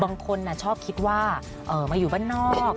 บางคนชอบคิดว่ามาอยู่บ้านนอก